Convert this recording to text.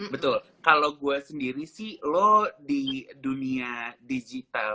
betul kalau gue sendiri sih lo di dunia digital